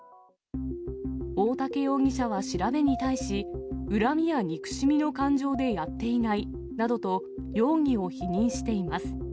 大竹容疑者は調べに対し、恨みや憎しみの感情でやっていないなどと、容疑を否認しています。